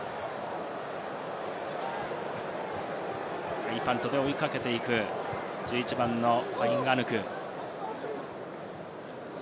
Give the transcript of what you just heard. ハイパントで追いかけていく、１１番のファインガアヌク。